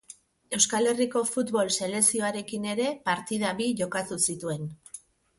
Euskal Herriko futbol selekzioarekin ere partida bi jokatu zituen.